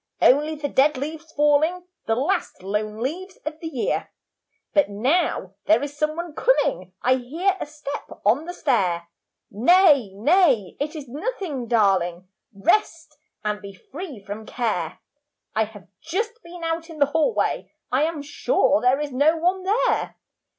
Only the dead leaves falling; The last lone leaves of the year. 'But now there is some one coming, I hear a step on the stair.' Nay, nay, it is nothing, darling, Rest, and be free from care. I have just been out in the hallway, I am sure there is no one there.